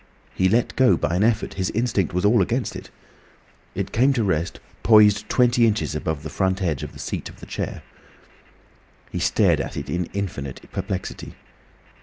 He let go by an effort; his instinct was all against it. It came to rest poised twenty inches above the front edge of the seat of the chair. He stared at it in infinite perplexity.